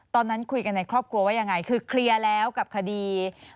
ตอนนั้นคุยกันในครอบครัวว่ายังไงคือเคลียร์แล้วกับคดี